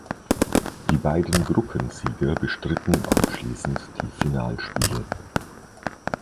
Die beiden Gruppensieger bestritten anschließend die Finalspiele.